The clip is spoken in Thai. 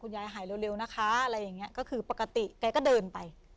ยายหายเร็วนะคะอะไรอย่างเงี้ยก็คือปกติแกก็เดินไป